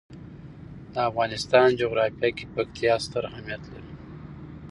د افغانستان جغرافیه کې پکتیا ستر اهمیت لري.